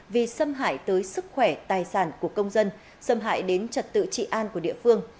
vì xâm hại tới sức khỏe tài sản của công dân xâm hại đến trật tự trị an của địa phương